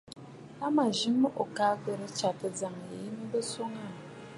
La mə̀ zi mə ò ka ghɨ̀rə tsyàtə ajàŋə mə mə̀ swòŋə aà.